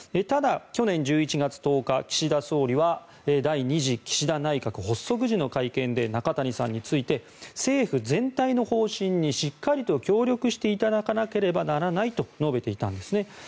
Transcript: ただ去年１１月１０日岸田総理は第２次岸田内閣発足時の会見で中谷さんについて政府全体の方針にしっかりと協力していただかなければならないと述べていたんですね。